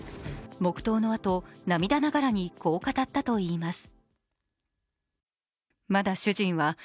黙とうのあと、涙ながらにこう語ったといいます。